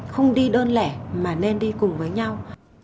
không đi đơn lẻ mà nên đi cùng với nhau